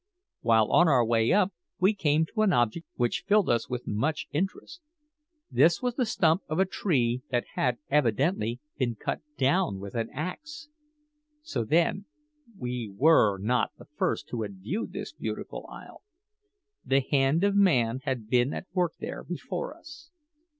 While on our way up we came to an object which filled us with much interest. This was the stump of a tree that had evidently been cut down with an axe! So, then, we were not the first who had viewed this beautiful isle. The hand of man had been at work there before us.